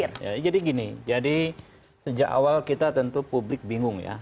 ya jadi gini jadi sejak awal kita tentu publik bingung ya